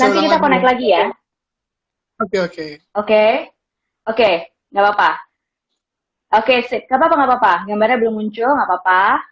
kita connect lagi ya oke oke oke oke nggak apa apa oke nggak papa apa gambarnya belum muncul nggak